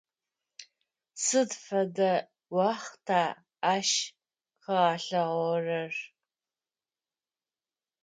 Сыд фэдэ уахъта ащ къыгъэлъагъорэр?